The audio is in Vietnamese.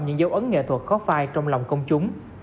những dấu ấn nghệ thuật khó phai trong lòng công chúng